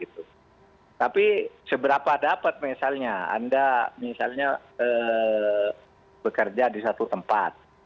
tapi seberapa dapat misalnya anda misalnya bekerja di satu tempat